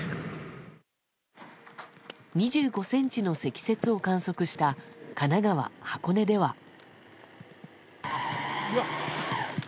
２５ｃｍの積雪を観測した神奈川・箱根では。